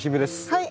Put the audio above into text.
はい！